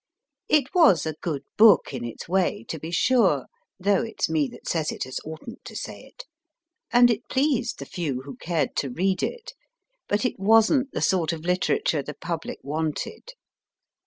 It was a good book in its way, to be sure, though it s me that says it as oughtn t to say it, and it pleased the few who cared to read it ; but it wasn t the sort of literature the public wanted.